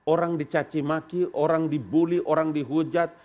orang dicacimaki orang dibully orang dihujat